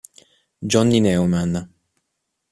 Johnny Neumann